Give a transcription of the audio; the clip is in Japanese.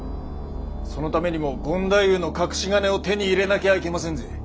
そのためにも権太夫の隠し金を手に入れなきゃいけませんぜ。